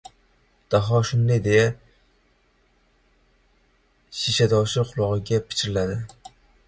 Daho shunday deya, shishadoshi qulog‘iga pichirladi.